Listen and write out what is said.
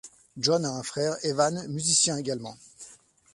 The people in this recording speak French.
John a un frère, Evan, musicien également.